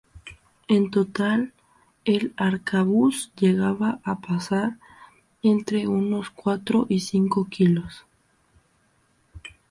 En total, el arcabuz llegaba a pesar entre unos cuatro y cinco kg.